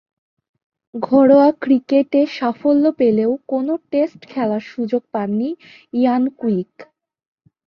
ঘরোয়া ক্রিকেটে সাফল্য পেলেও কোন টেস্ট খেলার সুযোগ পাননি ইয়ান কুইক।